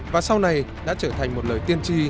và sau này đã trở thành một lời tiên tri